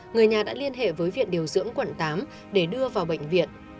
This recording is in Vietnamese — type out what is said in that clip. người nhà đã liên hệ với viện điều dưỡng quận tám để đưa vào bệnh viện